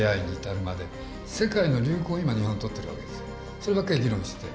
そればっかり議論して。